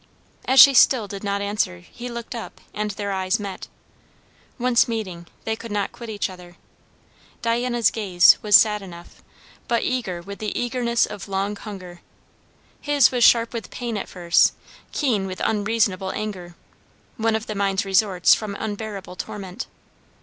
As she still did not answer, he looked up, and their eyes met. Once meeting, they could not quit each other. Diana's gaze was sad enough, but eager with the eagerness of long hunger. His was sharp with pain at first, keen with unreasonable anger; one of the mind's resorts from unbearable torment.